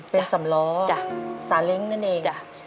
เป็นสำล้อจ้ะสาเล้งนั่นเองจ้ะ